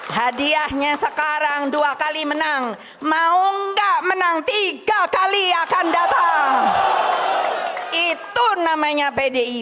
hadiahnya sekarang dua kali menang mau enggak menang tiga kali akan datang itu namanya pdi